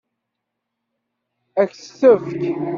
Ad k-t-tefk?